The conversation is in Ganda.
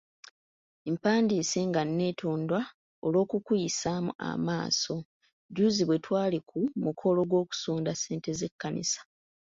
Mpandiise nga nneetonda olw’okukuyisaamu amaaso jjuuzi bwe twali ku mukolo gw’okusonda ssente z’ekkanisa.